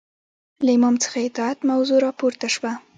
له امام څخه اطاعت موضوع راپورته شوه